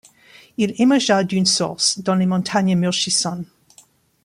Il émergea d'une source dans les montagnes Murschison.